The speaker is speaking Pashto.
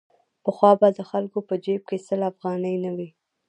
پخوا به د خلکو په جېب کې سل افغانۍ نه وې.